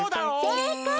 せいかい！